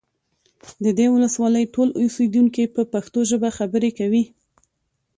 د دې ولسوالۍ ټول اوسیدونکي په پښتو ژبه خبرې کوي